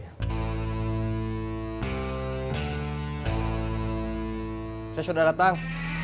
saya sudah datang